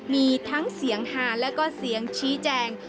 มีทั้งเสียงหาแล้วก็เสียงชี้แจง